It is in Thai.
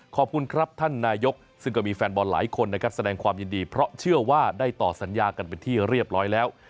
ขอบคุณครับท่านนายกซึ่งก็มีแฟนบอลหลายคนนะครับแสดงความยินดีเพราะเชื่อว่าได้ต่อสัญญากันเป็นที่เรียบร้อยแล้ว